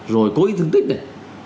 rồi cố ý thương tích này